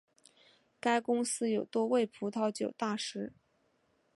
该公司有多位葡萄酒大师。